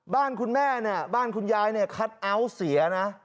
บ้านคุณแม่บ้านคุณยายคัทเอาท์เสียนะ